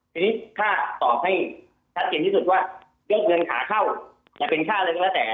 ทีนี้ถ้าตอบให้ชัดเจนที่สุดว่าเรื่องเงินขาเข้าจะเป็นค่าอะไรก็แล้วแต่